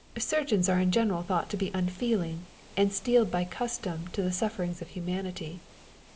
Surgeons are in general thought to be unfeeling, and steeled by custom to the sufferings of humanity..